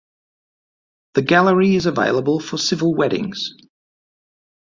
The gallery is available for civil weddings.